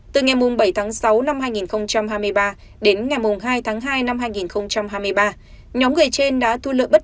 từ ngày bảy tháng sáu năm hai nghìn hai mươi ba đến ngày hai tháng hai năm hai nghìn hai mươi ba nhóm người trên đã thu lợi bất